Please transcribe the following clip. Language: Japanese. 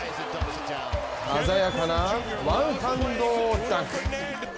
鮮やかなワンハンドダンク。